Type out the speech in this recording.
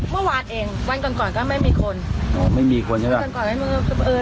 เมื่อวานเองวันก่อนก่อนก็ไม่มีคนอ๋อไม่มีคนใช่ไหมก่อนก่อนไม่มีเออ